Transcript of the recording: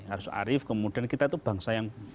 harus arif kemudian kita itu bangsa yang